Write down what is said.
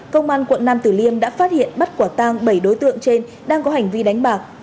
công an quận nam tử liêm đã phát hiện bắt quả tang bảy đối tượng trên đang có hành vi đánh bạc